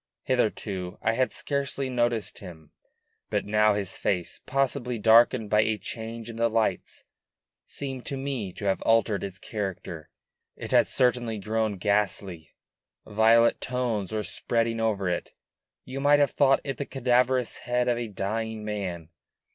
Hitherto I had scarcely noticed him, but now his face, possibly darkened by a change in the lights, seemed to me to have altered its character; it had certainly grown ghastly; violet tones were spreading over it; you might have thought it the cadaverous head of a dying man.